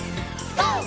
ＧＯ！